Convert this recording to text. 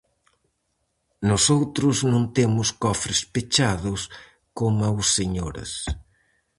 Nosoutros non temos cofres pechados coma os señores...